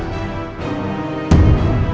ya dial heritage